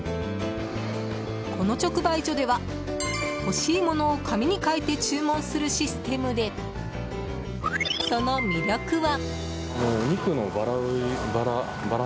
この直売所では欲しいものを紙に書いて注文するシステムでその魅力は。